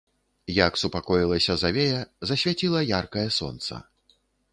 Як супакоілася завея, засвяціла яркае сонца.